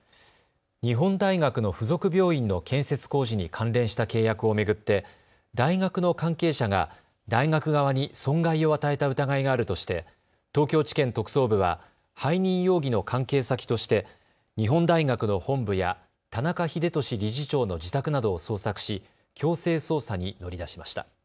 日本大学の付属病院の建設工事に関連した契約を巡って大学の関係者が大学側に損害を与えた疑いがあるとして東京地検特捜部は背任容疑の関係先として日本大学の本部や田中英壽理事長の自宅などを捜索し強制捜査に乗り出しました。